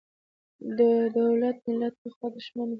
د دولت–ملت پخوا دښمن و.